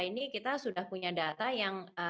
ini kita sudah punya data yang